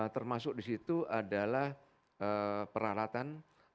termasuk di situ adalah peralatan